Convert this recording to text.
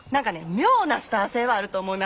妙なスター性はあると思いますねん